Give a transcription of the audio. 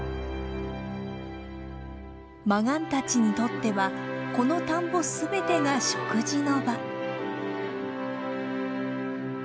マガンたちにとってはこの田んぼ全てが食事の場。